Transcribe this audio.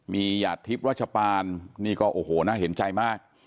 มีหยาดทิพย์รัชปานนี่ก็โอ้โหน่าเห็นใจมาก